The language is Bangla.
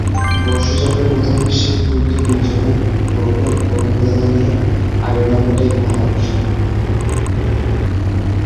বর্ষচক্রের প্রথম দৃশ্যেই ক্রুব্ধ দুইচোখে প্রখর বহ্নিজ্বালা নিয়ে আবির্ভাব ঘটে এই মহাতাপসের।